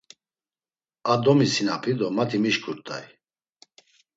A domisinapi do mati mişǩurt̆ay.